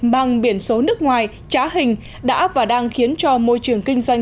bằng biển số nước ngoài trá hình đã và đang khiến cho môi trường kinh doanh